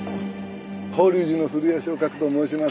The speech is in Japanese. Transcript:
法隆寺の古谷正覚と申します。